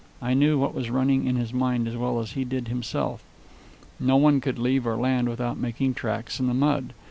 I knew what was running in his mind as well as he did himself. No one could leave or land without making tracks in the mud.